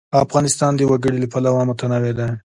افغانستان د وګړي له پلوه متنوع دی.